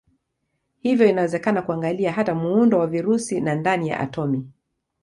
Hivyo inawezekana kuangalia hata muundo wa virusi na ndani ya atomi.